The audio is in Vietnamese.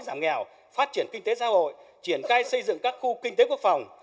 giảm nghèo phát triển kinh tế xã hội triển khai xây dựng các khu kinh tế quốc phòng